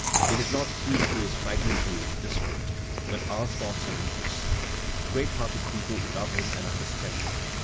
It is not he who is fragmentary and disparate, but our thoughts and interests. \ Great hearted people love him and understand him.